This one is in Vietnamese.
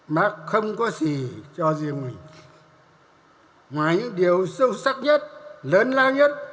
mắc không có gì cho riêng mình ngoài những điều sâu sắc nhất lớn lao nhất